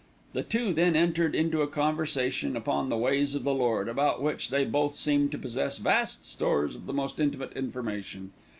The two then entered into a conversation upon the ways of the Lord, about which they both seemed to possess vast stores of the most intimate information.